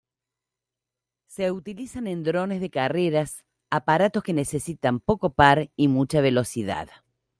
Se utilizan en drones de carreras, aparatos que necesitan poco par y mucha velocidad.